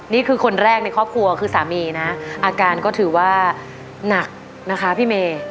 นี่คือคนแรกในครอบครัวคือสามีนะอาการก็ถือว่าหนักนะคะพี่เมย์